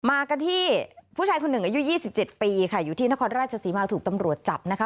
มากันที่ผู้ชายคนหนึ่งอายุ๒๗ปีค่ะอยู่ที่นครราชศรีมาถูกตำรวจจับนะคะ